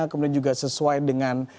kemudian juga sesuai dengan